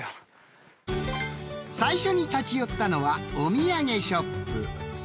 ［最初に立ち寄ったのはお土産ショップ］